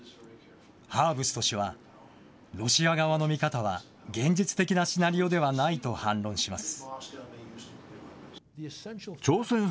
ハーブスト氏は、ロシア側の見方は現実的なシナリオではないと反論します。